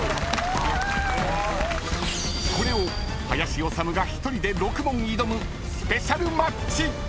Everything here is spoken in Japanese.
［これを林修が１人で６問挑むスペシャルマッチ！］